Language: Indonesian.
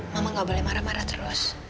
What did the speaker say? mama gak boleh marah marah terus